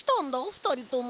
ふたりとも。